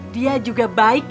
dia juga baik